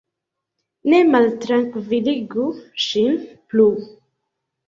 Ne maltrankviligu ŝin plu!